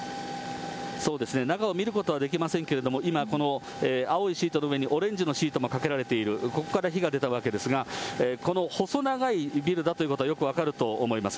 そうですね、中を見ることはできませんけれども、今、この青いシートの上にオレンジのシートもかけられている、ここから火が出たわけですが、この細長いビルだということは、よく分かると思います。